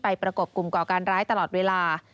ประกบกลุ่มก่อการร้ายตลอดเวลา